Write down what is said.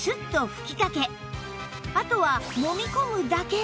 あとはもみ込むだけ！